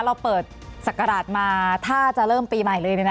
เราเปิดศักราชมาถ้าจะเริ่มปีใหม่เลย